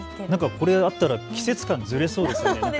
これがあったら季節感ずれそうですね。